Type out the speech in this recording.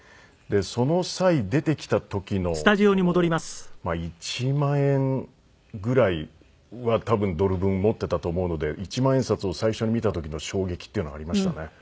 その際出てきた時のまあ１万円ぐらいは多分ドル分持っていたと思うので１万円札を最初に見た時の衝撃っていうのはありましたね。